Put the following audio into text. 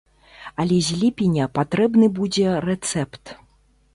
Але з ліпеня патрэбны будзе рэцэпт.